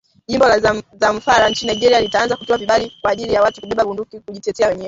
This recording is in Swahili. Jimbo la Zamfara nchini Nigeria litaanza kutoa vibali kwa ajili ya watu kubeba bunduki kujijitea wenyewe